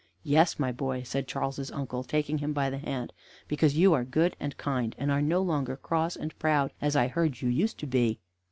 "Yes, my boy," said Charles's uncle, taking him by the hand, "because you are good and kind, and are no longer cross and proud, as I heard you used to be.